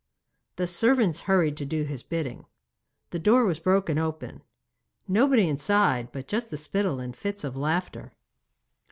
The servants hurried to do his bidding. The door was broken open. Nobody inside; but just the spittle in fits of laughter!